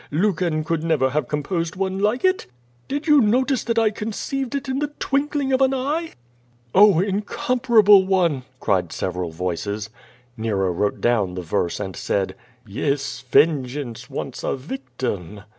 Lucan could never have composed one like it. Did you notice that I conceived it in the twinkling of an eye?" "Oh, incomparable one!" cried several voices. Nero wrote down the verse, and said: "Yes, vengeance wants a victim."